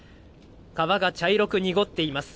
川が茶色く濁っています。